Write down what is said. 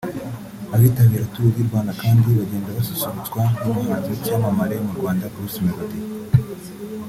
Abitabira Tour du Rwanda kandi bagenda basusurutswa n’umuhanzi w’icyamamare mu Rwanda Bruce Melodie